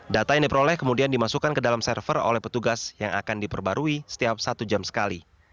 data yang diperoleh kemudian dimasukkan ke dalam server oleh petugas yang akan diperbarui setiap satu jam sekali